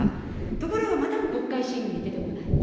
ところがまたも国会審議に出てこない。